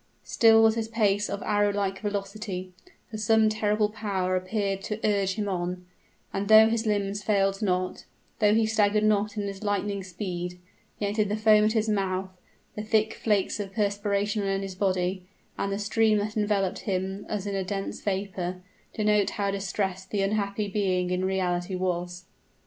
Still was his pace of arrow like velocity for some terrible power appeared to urge him on; and though his limbs failed not, though he staggered not in his lightning speed, yet did the foam at his mouth, the thick flakes of perspiration on his body, and the steam that enveloped him as in a dense vapor, denote how distressed the unhappy being in reality was.